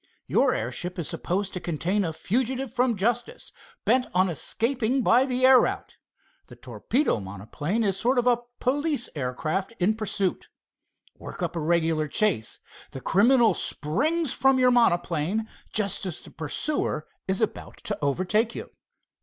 Your airship is supposed to contain a fugitive from justice, bent on escaping by the air route. The torpedo monoplane is a sort of police aircraft, in pursuit. Work up a regular chase. The criminal springs from your monoplane just as the pursuer is about to overtake you."